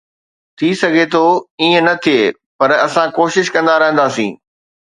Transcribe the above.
ٿي سگهي ٿو ائين نه ٿئي، پر اسان ڪوشش ڪندا رهنداسين